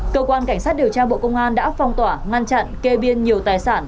cơ quan cảnh sát điều tra bộ công an đã phong tỏa ngăn chặn kê biên nhiều tài sản